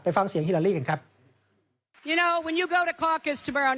ฟังเสียงฮิลาลีกันครับ